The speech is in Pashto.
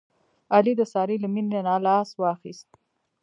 علي د سارې له مینې نه لاس واخیست.